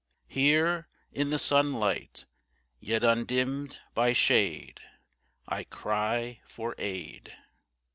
Here in the sunlight yet undimmed by shade, I cry for aid.